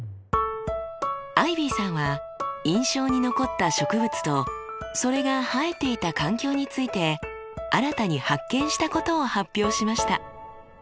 アイビーさんは印象に残った植物とそれが生えていた環境について新たに発見したことを発表しました。